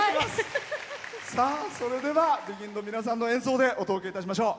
それではＢＥＧＩＮの皆さんの演奏でお届けいたしましょう。